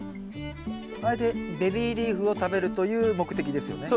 あえてベビーリーフを食べるという目的ですよね。